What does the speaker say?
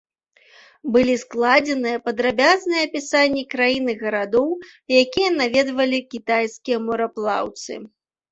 Былі складзеныя падрабязныя апісанні краін і гарадоў, якія наведвалі кітайскія мараплаўцы.